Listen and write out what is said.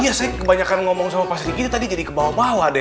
iya saya kebanyakan ngomong sama pak sigit tadi jadi kebawa bawa deh